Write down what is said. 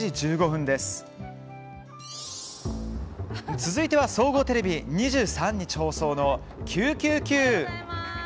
続いては総合テレビ２３日放送の「９９Ｑ」。